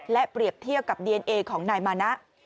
เปรียบเทียบกับดีเอนเอของนายมานะ